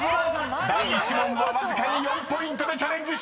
［第１問はわずかに４ポイントでチャレンジ終了です。